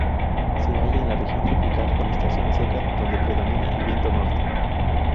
Se halla en la región tropical con estación seca, donde predomina el viento norte.